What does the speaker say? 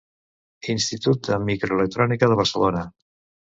Institut de Microelectrònica de Barcelona.